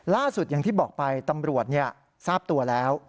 อย่างที่บอกไปตำรวจทราบตัวแล้ว